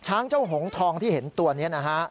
เจ้าหงทองที่เห็นตัวนี้นะฮะ